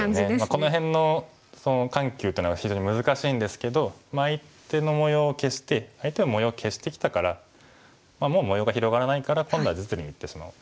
この辺の緩急っていうのは非常に難しいんですけど相手の模様を消して相手も模様を消してきたからもう模様が広がらないから今度は実利に打ってしまおう。